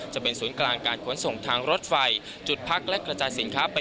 จะเป็นศูนย์กลางการขนส่งทางรถไฟจุดพักและกระจายสินค้าไป